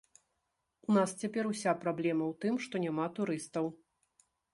У нас цяпер уся праблема ў тым, што няма турыстаў.